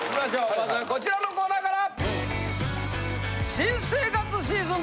まずはこちらのコーナーから！